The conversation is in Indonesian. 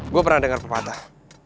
gue pernah denger pepatah